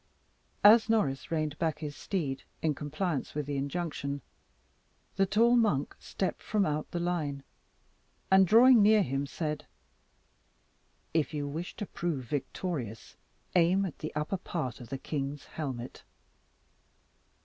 As Norris reined back his steed, in compliance with the injunction, the tall monk stepped from out the line, and drawing near him, said, "If you wish to prove victorious, aim at the upper part of the king's helmet."